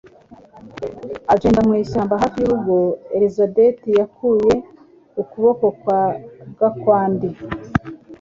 Agenda mu ishyamba hafi y'urugo, Elisabeth yakuye ukuboko kwa Gakwandi